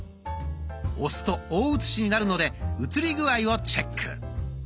押すと大写しになるので写り具合をチェック。